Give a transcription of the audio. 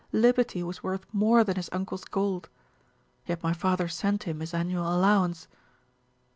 Liberty was worth more than his uncle's gold. Yet my father sent him his annual allowance."